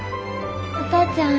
お父ちゃん？